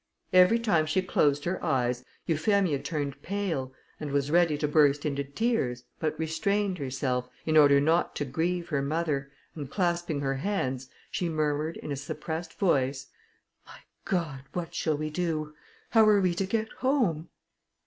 Every time she closed her eyes, Euphemia turned pale and was ready to burst into tears, but restrained herself, in order not to grieve her mother, and clasping her hands, she murmured in a suppressed voice, "My God! what shall we do? how are we to get home?"